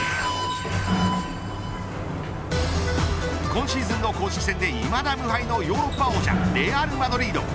今シーズンの公式戦で、いまだ無敗のヨーロッパ王者レアル・マドリード。